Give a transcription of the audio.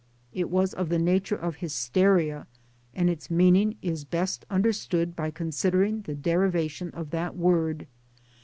It was of the nature of hysteria and its meaning is best understood by considering the derivation of that word.